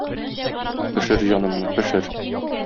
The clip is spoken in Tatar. Пешер җанымны, пешер!